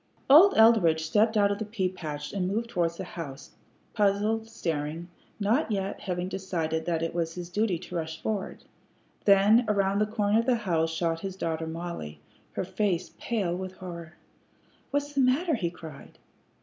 Old Eldridge stepped out of the pea patch and moved towards the house, puzzled, staring, not yet having decided that it was his duty to rush forward. Then around the corner of the house shot his daughter Mollie, her face pale with horror. "What's the matter?" he cried.